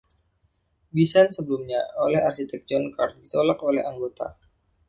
Desain sebelumnya oleh arsitek John Carr ditolak oleh anggota.